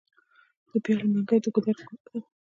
د پیغلو منګي د ګودر ښکلا ده.